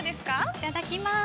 ◆いただきます。